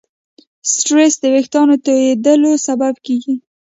سټرېس د وېښتیانو تویېدلو سبب کېږي.